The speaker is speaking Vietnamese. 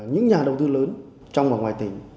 những nhà đầu tư lớn trong và ngoài tỉnh